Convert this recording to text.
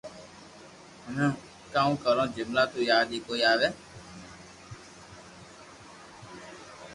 ھمو ڪاو ڪرو جملا تو ياد اي ڪوئي آوي